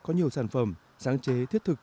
có nhiều sản phẩm sáng chế thiết thực